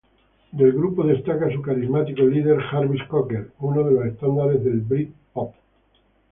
Del grupo destaca su carismático líder, Jarvis Cocker, uno de los estandartes del britpop.